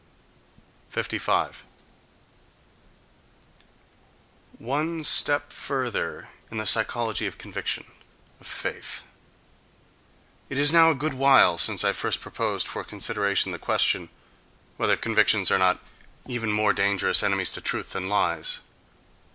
55. —One step further in the psychology of conviction, of "faith." It is now a good while since I first proposed for consideration the question whether convictions are not even more dangerous enemies to truth than lies.